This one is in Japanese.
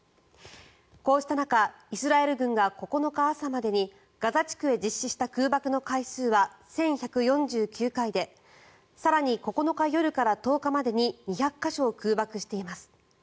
こうした中イスラエル軍が９日朝までにガザ地区へ実施した空爆の回数は１１４９回で更に９日夜から１０日までに２００か所を空爆しています。